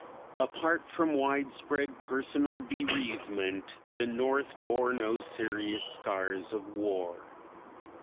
Apart from wide spread personal bereavement the North bore no serious scars of war.